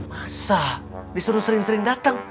masa disuruh sering sering datang